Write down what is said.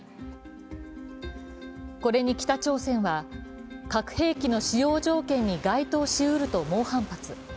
これに北朝鮮は、核兵器の使用条件に該当しうると猛反発。